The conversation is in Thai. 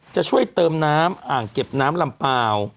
จะช่วยเติมน้ำอ่างเก็บน้ำลำเปล่า